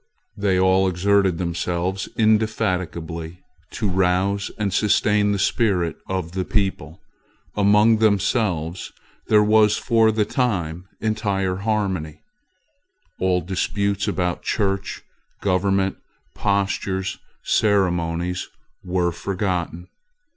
They all exerted themselves indefatigably to rouse and sustain the spirit of the people. Among themselves there was for the time entire harmony. All disputes about church government, postures, ceremonies, were forgotten.